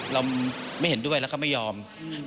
เราไม่เห็นด้วยแล้วเขาไม่ยอม